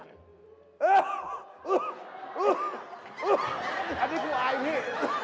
อันนี้คือไอพี่